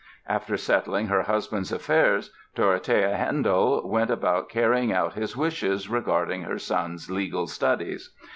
After settling her husband's affairs Dorothea Handel went about carrying out his wishes regarding her son's legal studies.